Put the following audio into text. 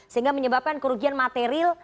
sehingga menyebabkan kerugian material